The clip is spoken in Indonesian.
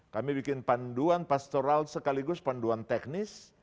kami bikin panduan pastoral sekaligus panduan teknis